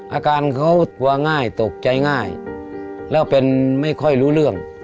อาการเขาตัวง่ายตกใจง่ายแล้วเป็นไม่ค่อยรู้เรื่อง